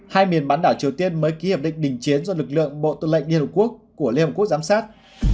hai miền bán đảo triều tiên mới ký hiệp định đình chiến do lực lượng bộ tư lệnh liên hợp quốc của liên hợp quốc giám sát